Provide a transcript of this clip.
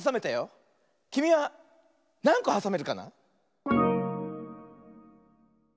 きみはなんこはさめるかな？